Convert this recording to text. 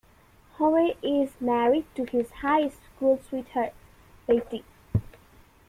Howe is married to his high school sweetheart, Betty.